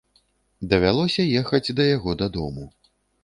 Давялося ехаць да яго дадому.